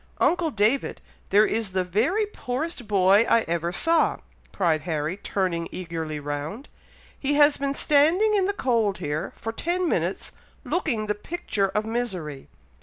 "Uncle David! there is the very poorest boy I ever saw!" cried Harry, turning eagerly round; "he has been standing in the cold here, for ten minutes, looking the picture of misery!